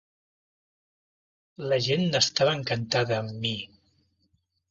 La gent n’estava encantada, amb mi.